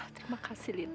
terima kasih lita